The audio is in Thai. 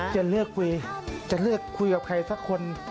จะเลือกคุยจะเลือกคุยกับใครสักคน